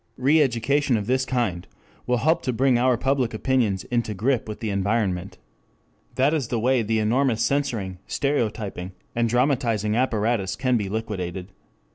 5 Re education of this kind will help to bring our public opinions into grip with the environment. That is the way the enormous censoring, stereotyping, and dramatizing apparatus can be liquidated.